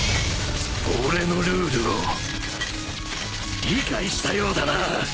俺のルールを理解したようだな。